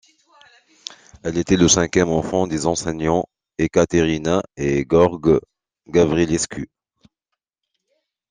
Elle était le cinquième enfant des enseignants Ecaterina et Gheorghe Gavrilescu.